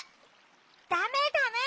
ダメダメ！